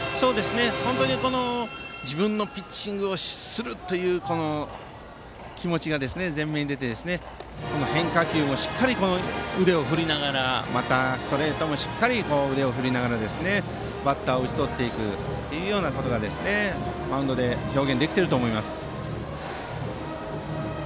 自分のピッチングをするという気持ちが前面に出て、変化球もしっかり腕を振りながらまたストレートもしっかり腕を振りながらバッターを打ち取っていくというようなことがマウンドで表現できていると思います。